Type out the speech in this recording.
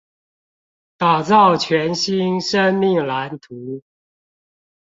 打造全新生命藍圖